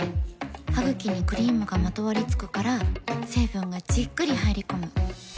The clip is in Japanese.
ハグキにクリームがまとわりつくから成分がじっくり入り込む。